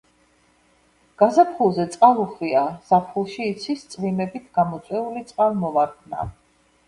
გაზაფხულზე წყალუხვია, ზაფხულში იცის წვიმებით გამოწვეული წყალმოვარდნა.